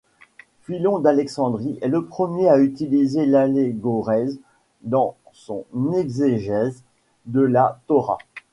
Philon d’Alexandrie est le premier à utiliser l’allégorèse dans son exégèse de la Torah.